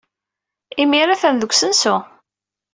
Imir-a, atan deg usensu.